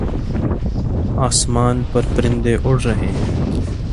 آسمان پر پرندے اڑ رہے ہیں